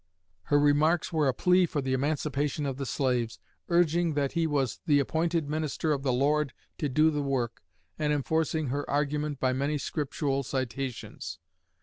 Her remarks were a plea for the emancipation of the slaves, urging that he was the appointed minister of the Lord to do the work, and enforcing her argument by many Scriptural citations.